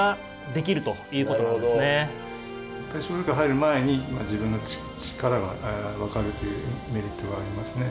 入る前にまあ自分の力が分かるというメリットがありますね。